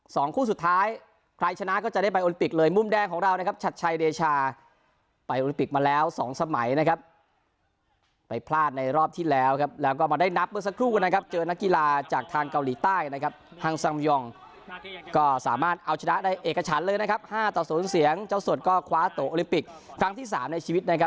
สองคู่สุดท้ายใครชนะก็จะได้ไปโอลิมปิกเลยมุมแดงของเรานะครับชัดชัยเดชาไปโอลิปิกมาแล้วสองสมัยนะครับไปพลาดในรอบที่แล้วครับแล้วก็มาได้นับเมื่อสักครู่นะครับเจอนักกีฬาจากทางเกาหลีใต้นะครับฮังซังยองก็สามารถเอาชนะได้เอกฉันเลยนะครับห้าต่อศูนย์เสียงเจ้าสดก็คว้าตัวโอลิมปิกครั้งที่สามในชีวิตนะครับ